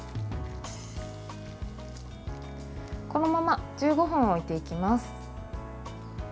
このまま１５分置いていきます。